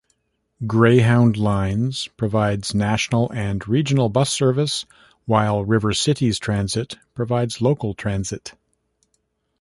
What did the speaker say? Greyhound Lines provides national and regional bus service, while RiverCities Transit provides local transit.